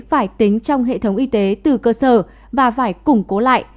phải tính trong hệ thống y tế từ cơ sở và phải củng cố lại